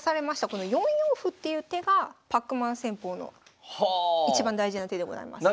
この４四歩っていう手がパックマン戦法のいちばん大事な手でございます。